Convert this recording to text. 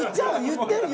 言ってる？